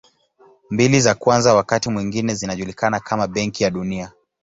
Mbili za kwanza wakati mwingine zinajulikana kama Benki ya Dunia.